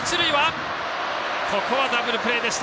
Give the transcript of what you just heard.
ここはダブルプレーでした。